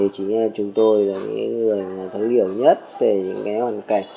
chúng tôi là những người thấu hiểu nhất về những hoàn cảnh